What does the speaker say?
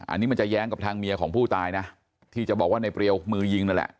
อันนี้มันจะแย้งกับทางเมียของผู้ตายนะที่จะบอกว่าในเปรียวมือยิงนั่นแหละ